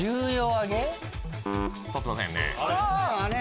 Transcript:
あれ！